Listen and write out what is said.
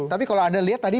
tapi kalau anda lihat tadi